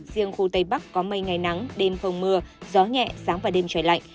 riêng khu tây bắc có mây ngày nắng đêm không mưa gió nhẹ sáng và đêm trời lạnh